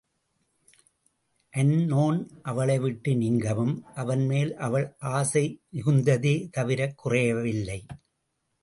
Unknown அவளைவிட்டு நீங்கவும் அவன் மேல் அவள் ஆசை மிகுந்ததே தவிரக் குறையவில்லை.